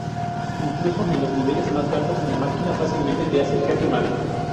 Incluso en los niveles más bajos, la máquina fácilmente te hace jaque mate.